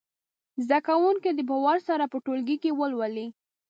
زده کوونکي دې په وار سره په ټولګي کې ولولي.